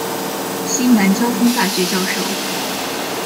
西南交通大学教授。